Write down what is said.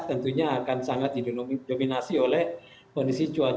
tentunya akan sangat didominasi oleh kondisi cuaca